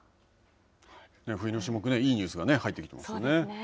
冬の種目いいニュースが入ってきていますね。